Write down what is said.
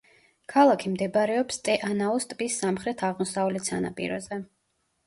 ქალაქი მდებარეობს ტე-ანაუს ტბის სამხრეთ-აღმოსავლეთ სანაპიროზე.